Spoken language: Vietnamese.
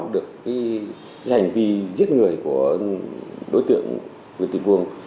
được hành vi giết người của đối tượng nguyễn thị vuông